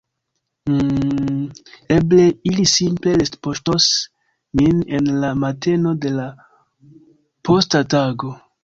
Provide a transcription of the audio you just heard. "Mmm, eble ili simple retpoŝtos min en la mateno de la posta tago.